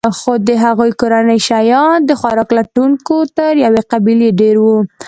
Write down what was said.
خو د هغوی کورنۍ شیان د خوراک لټونکو تر یوې قبیلې ډېر وو.